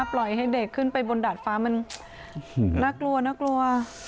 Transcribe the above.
ปล่อยให้เด็กขึ้นไปบนดาดฟ้ามันน่ากลัวน่ากลัว